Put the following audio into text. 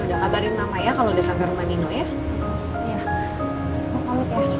udah kabarin mama ya kalo udah sampai rumah nino ya